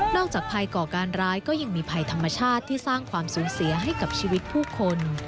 จากภัยก่อการร้ายก็ยังมีภัยธรรมชาติที่สร้างความสูญเสียให้กับชีวิตผู้คน